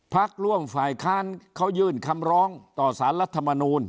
พักร่วมฝ่ายค้านเขายื่นคำร้องต่อสารรัฐมนูล